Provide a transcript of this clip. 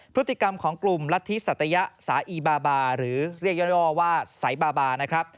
พฤติกรรมของกลุ่มรัฐธิสัตยะสาอีบาบาหรือเรียกย่อว่าสายบาบานะครับ